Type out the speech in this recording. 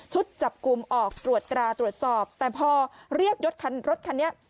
จับกลุ่มออกตรวจตราตรวจสอบแต่พอเรียกยศรถคันนี้